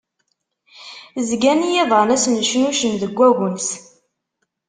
Zgan yiḍan-a snecnucen deg agnes.